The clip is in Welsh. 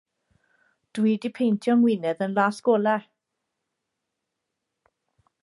Dw i 'di peintio 'y ngwinadd yn las gola'.